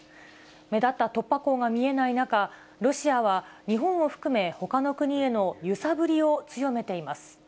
目立った突破口が見えない中、ロシアは日本を含め、ほかの国への揺さぶりを強めています。